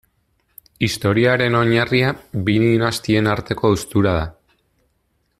Historiaren oinarria bi dinastien arteko haustura da.